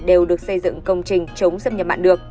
đều được xây dựng công trình chống xâm nhập mặn được